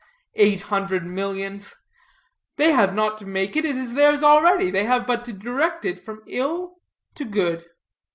Eight hundred millions! They have not to make it, it is theirs already; they have but to direct it from ill to good.